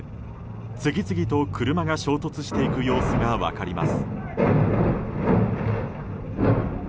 次々と車が衝突していく様子が分かります。